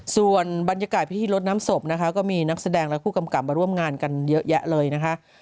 ส่วนบรรยากาศพิธีลดน้ำศพนะคะก็มีนักแสดงและผู้กำกับมาร่วมงานกันเยอะแยะเลยนะคะ